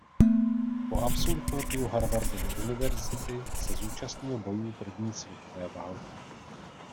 Po absolutoriu Harvardovy univerzity se zúčastnil bojů první světové války.